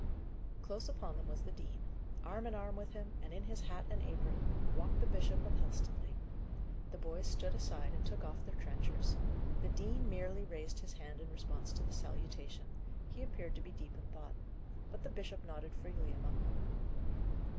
Close upon them was the dean. Arm in arm with him, in his hat and apron, walked the Bishop of Helstonleigh. The boys stood aside and took off their trenchers. The dean merely raised his hand in response to the salutation he appeared to be deep in thought; but the bishop nodded freely among them.